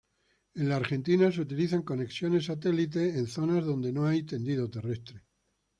En la Argentina se utilizan conexiones satelitales en zonas donde no hay tendido terrestre.